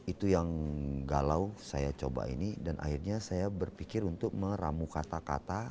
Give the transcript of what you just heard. itu yang galau saya coba ini dan akhirnya saya berpikir untuk meramu kata kata